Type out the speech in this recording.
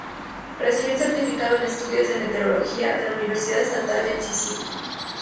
Recibió un certificado en estudios de meteorología de la Universidad Estatal de Mississippi.